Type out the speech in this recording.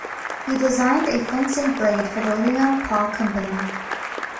He designed a fencing blade for the Leon Paul company.